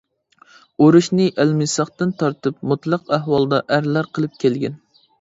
ئۇرۇشنى ئەلمىساقتىن تارتىپ مۇتلەق ئەھۋالدا ئەرلەر قىلىپ كەلگەن.